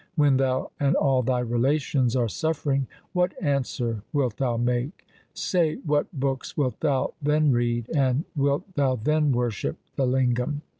When thou and all thy relations are suffering, what answer wilt thou make ? Say what books wilt thou then read, and wilt thou then worship the lingam